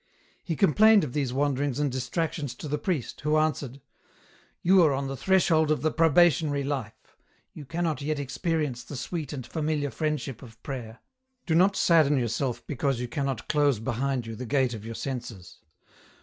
He complained of these wanderings and distractions to the priest, who answered, —" You are on the threshold of the probationary life ; you cannot yet experience the sweet and familiar friendship of prayer. Do not sadden yourself because you cannot close behind you the gate of your senses.